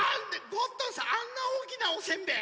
ゴットンさんあんなおおきなおせんべい？